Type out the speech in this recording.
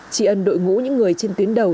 chỉ ơn đội ngũ những người trên tuyến đầu